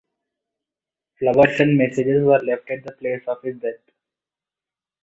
Flowers and messages were left at the place of his death.